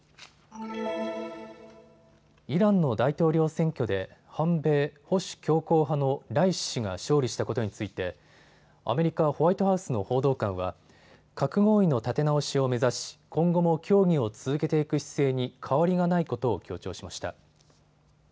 イランの大統領選挙で反米・保守強硬派のライシ師が勝利したことについてアメリカ、ホワイトハウスの報道官は、核合意の立て直しを目指し今後も協議を続けていく姿勢に変わりがないことを強調しました。